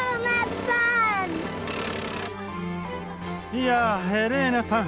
いやエレーナさん。